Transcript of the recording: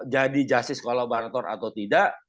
jadi justice kolaborator atau tidak